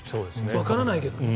わからないけどね。